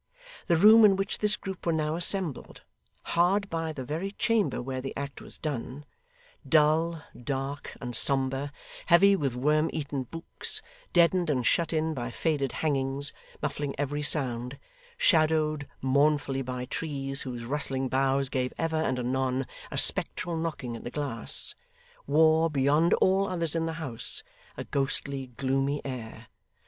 The room in which this group were now assembled hard by the very chamber where the act was done dull, dark, and sombre; heavy with worm eaten books; deadened and shut in by faded hangings, muffling every sound; shadowed mournfully by trees whose rustling boughs gave ever and anon a spectral knocking at the glass; wore, beyond all others in the house, a ghostly, gloomy air.